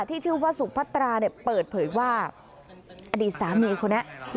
ที่ชื่อว่าสุพัตราเนี่ยเปิดเผยว่าอดีตสามีคนนี้